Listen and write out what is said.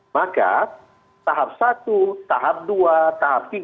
maka tahap satu tahap dua tahap tiga